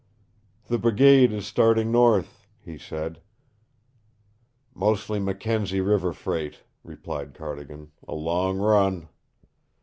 "The brigade is starting north," he said. "Mostly Mackenzie River freight," replied Cardigan. "A long run."